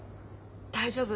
大丈夫。